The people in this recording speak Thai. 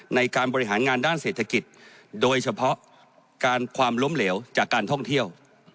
ในการบริหารงานด้านเศรษฐกิจโดยเฉพาะการความล้มเหลวจากการท่องเที่ยว